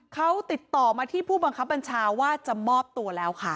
เขาติดต่อมาที่ผู้บังคับบัญชาว่าจะมอบตัวแล้วค่ะ